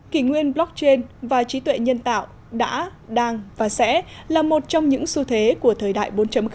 kỷ nguyên blockchain và trí tuệ nhân tạo đã đang và sẽ là một trong những xu thế của thời đại bốn